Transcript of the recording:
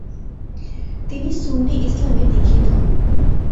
তিনি সুন্নি ইসলামে দীক্ষিত হন ।